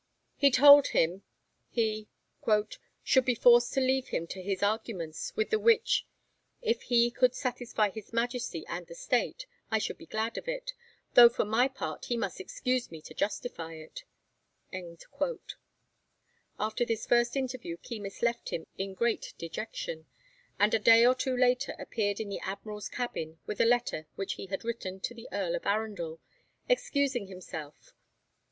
He told him he 'should be forced to leave him to his arguments, with the which if he could satisfy his Majesty and the State, I should be glad of it, though for my part he must excuse me to justify it.' After this first interview Keymis left him in great dejection, and a day or two later appeared in the Admiral's cabin with a letter which he had written to the Earl of Arundel, excusing himself.